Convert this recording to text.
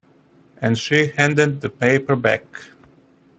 And she handed the paper back.